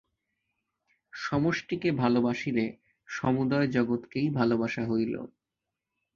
সমষ্টিকে ভালবাসিলে সমুদয় জগৎকেই ভালবাসা হইল।